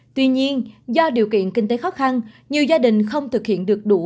tuy nhiên do điều kiện kinh tế khó khăn nhiều gia đình không thực hiện được đủ